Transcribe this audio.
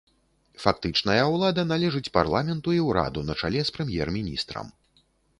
Фактычная ўлада належыць парламенту і ўраду на чале з прэм'ер-міністрам.